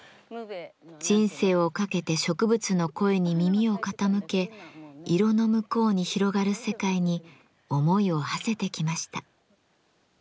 人生をかけて植物の声に耳を傾け色の向こうに広がる世界に思いをはせてきました。